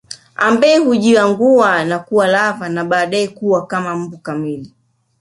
Ambayo hujiangua na kuwa larvae na baadaye kutoka kama mbu kamili